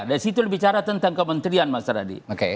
dari situ bicara tentang kementerian mas radi